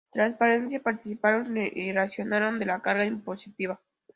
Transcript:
Transparencia, participación y racionalización de la carga impositiva.